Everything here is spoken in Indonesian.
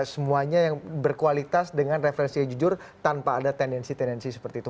semuanya yang berkualitas dengan referensi yang jujur tanpa ada tendensi tendensi seperti itu